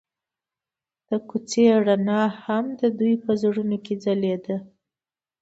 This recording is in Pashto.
د کوڅه رڼا هم د دوی په زړونو کې ځلېده.